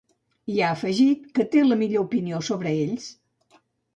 I ha afegit que ‘té la millor opinió’ sobre ells.